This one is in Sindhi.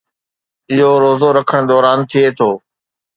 اهو روزو رکڻ دوران ٿئي ٿو